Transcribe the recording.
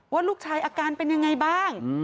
ว่าลูกชายอาการเป็นยังไงบ้าง